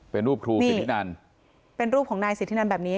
อ๋อเป็นรูปครูโทรศัพท์นั้นนี่เป็นรูปของนายสิทธินันแบบนี้